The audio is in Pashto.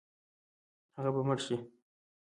هغه به مړ شي.